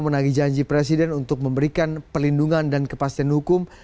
menangi janji presiden untuk memberikan pelindungan dan kepastian hukum